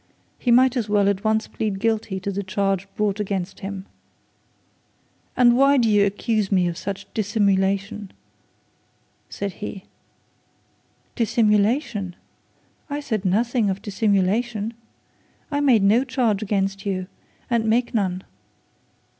He might as well at once plead guilty to the charge brought against him. 'And why do you accuse me of such dissimulation?' 'Dissimulation! I said nothing of dissimulation. I made no charge against you, and make none.